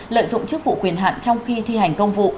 lợi dụng chức vụ quyền hạn trong khi thi hành công vụ